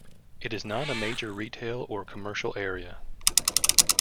It is not a major retail or commercial area.